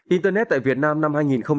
internet tại việt nam năm hai nghìn hai mươi